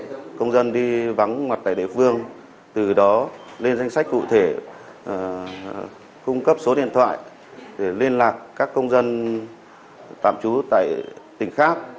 các công dân đi vắng mặt tại địa phương từ đó lên danh sách cụ thể cung cấp số điện thoại để liên lạc các công dân tạm trú tại tỉnh khác